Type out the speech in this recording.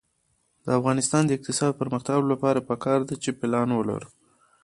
د افغانستان د اقتصادي پرمختګ لپاره پکار ده چې پلان ولرو.